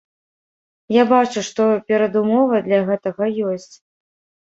Я бачу, што перадумовы для гэтага ёсць.